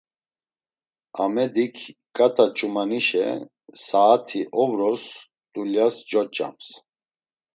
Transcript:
Amedik ǩat̆a ç̌umanişe saat̆i ovros dulyas coç̌ams.